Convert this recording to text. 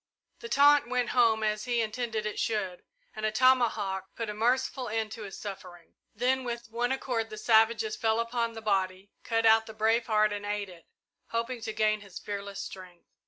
The taunt went home, as he intended it should, and a tomahawk put a merciful end to his suffering. Then with one accord the savages fell upon the body, cut out the brave heart and ate it, hoping to gain his fearless strength.